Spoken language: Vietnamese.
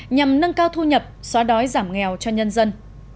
nhằm nâng cao thu nhập xóa đói giảm nghèo cho nhân dân